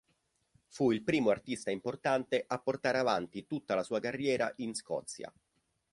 Fu il primo artista importante a portare avanti tutta la sua carriera in Scozia.